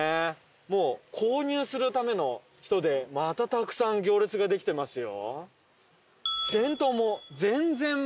もう購入するための人でまたたくさん行列ができてますよ。